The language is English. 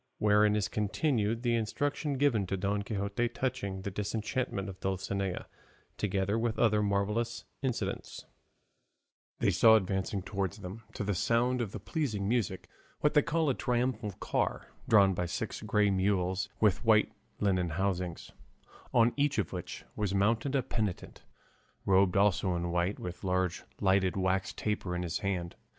WHEREIN IS CONTINUED THE INSTRUCTION GIVEN TO DON QUIXOTE TOUCHING THE DISENCHANTMENT OF DULCINEA, TOGETHER WITH OTHER MARVELLOUS INCIDENTS They saw advancing towards them, to the sound of this pleasing music, what they call a triumphal car, drawn by six grey mules with white linen housings, on each of which was mounted a penitent, robed also in white, with a large lighted wax taper in his hand.